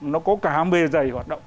nó có cả mê giày hoạt động